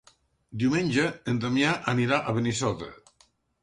Diumenge en Damià anirà a Benissoda.